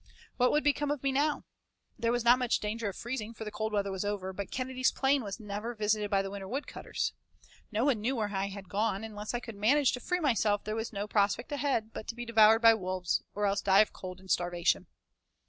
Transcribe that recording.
What would become of me now? There was not much danger of freezing for the cold weather was over, but Kennedy's Plain was never visited by the winter wood cutters. No one knew where I had gone, and unless I could manage to free myself there was no prospect ahead but to be devoured by wolves, or else die of cold and starvation.